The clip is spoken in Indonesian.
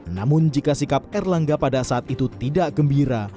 namun jika sikap erlangga pada saat itu tidak gembira